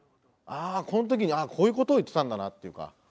ああこん時に「ああこういうことを言ってたんだな」っていうか。